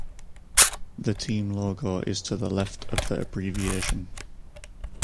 The team logo is to the left of the abbreviation.